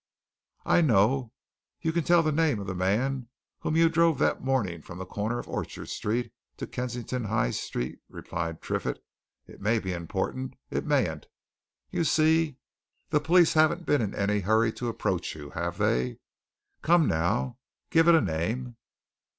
"I know you can tell the name of the man whom you drove that morning from the corner of Orchard Street to Kensington High Street," replied Triffitt. "It may be important it mayn't. You see, the police haven't been in any hurry to approach you, have they? Come now, give it a name?"